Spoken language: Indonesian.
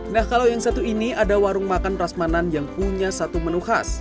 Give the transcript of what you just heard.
nah kalau yang satu ini ada warung makan rasmanan yang punya satu menu khas